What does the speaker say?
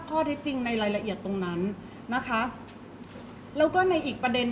เพราะว่าสิ่งเหล่านี้มันเป็นสิ่งที่ไม่มีพยาน